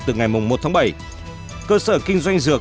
từ ngày một tháng bảy cơ sở kinh doanh dược